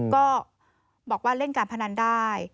ก็บอกว่าเล่นการพนันได้